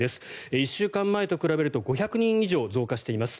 １週間前と比べると５００人以上増加しています。